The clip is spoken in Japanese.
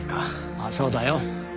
ああそうだよ。